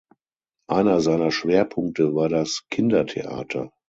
Einer seiner Schwerpunkte war das Kindertheater.